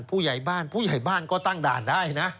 ผู้ใหญ่บ้านก็ตั้งด่านได้นะ